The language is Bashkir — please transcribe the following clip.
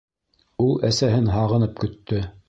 Ул әсәһен һағынып көттө.